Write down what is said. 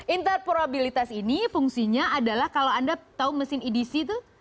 interproabilitas ini fungsinya adalah kalau anda tahu mesin edc itu